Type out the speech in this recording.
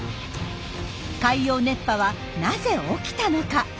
海洋熱波はなぜ起きたのか？